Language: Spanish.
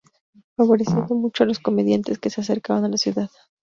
Favoreciendo en mucho a los comediantes que se acercaban a la ciudad.